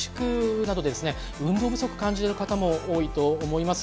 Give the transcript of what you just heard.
運動不足感じてる方も多いと思います。